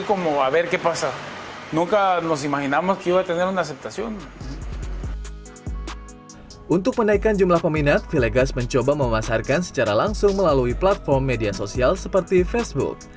untuk menaikkan jumlah peminat villegas mencoba memasarkan secara langsung melalui platform media sosial seperti facebook